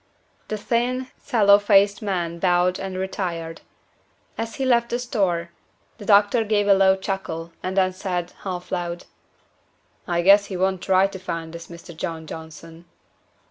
The thin, sallow faced man bowed and retired. As he left the store, the doctor gave a low chuckle, and then said, half aloud "I guess he won't try to find this Mr. John Johnson."